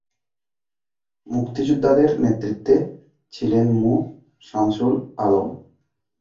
মুক্তিযোদ্ধাদের নেতৃত্বে ছিলেন মু শামসুল আলম।